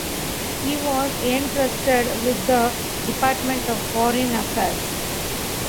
He was entrusted with the Department of Foreign Affairs.